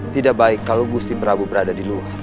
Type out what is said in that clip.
tidak baik kalau gusti prabu berada di luar